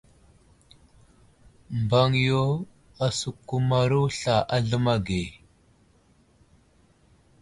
Mbaŋ yo asəkumaro sla a zləma ge.